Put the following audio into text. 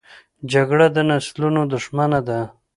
جګړه د نسلونو دښمنه ده